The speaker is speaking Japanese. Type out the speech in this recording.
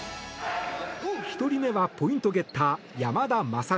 １人目はポイントゲッター山田優。